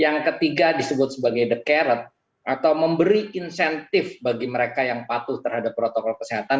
yang ketiga disebut sebagai the carot atau memberi insentif bagi mereka yang patuh terhadap protokol kesehatan